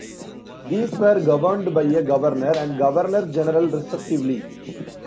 These were governed by a Governor and Governor-general respectively.